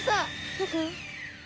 どこ？